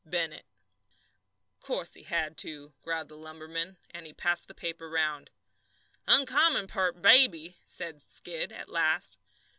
BENNETT. "Course he had to!" growled the lumberman, and he passed the paper round. "Oncommon peart baby," said Skid, at last.